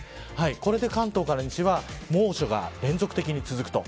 これで関東から西は猛暑が連続的に続くと。